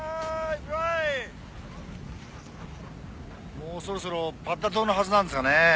もうそろそろパッダ島のはずなんですがねえ